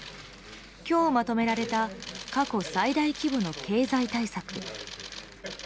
今日まとめられた過去最大規模の経済対策。